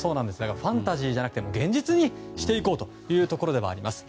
ファンタジーじゃなくて現実にしていこうというところでもあります。